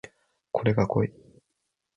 これが濃い